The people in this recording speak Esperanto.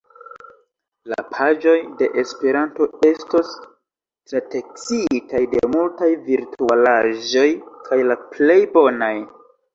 La paĝoj de Esperanto estos trateksitaj de multaj virtualaĵoj, la plej bonaj.